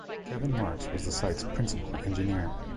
Kevin Marks was the site's Principal Engineer.